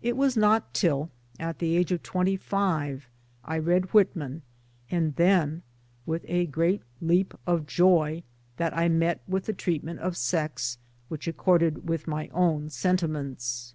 It was not till (at the age of twenty five) I read Whitman and then with a great leap of joy that I met with the treat ment of sex which accorded with my own sentiments.